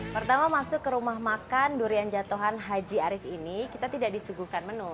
pertama masuk ke rumah makan durian jatuhan haji arief ini kita tidak disuguhkan menu